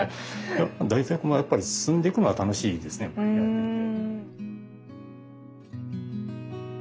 やっぱ進んでいくのは楽しいですねやってて。